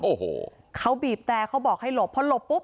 วิ่งตามนะครับรถพยาบาลครับ